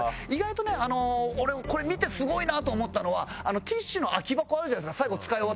意外とね俺これ見てすごいなと思ったのはティッシュの空き箱あるじゃないですか。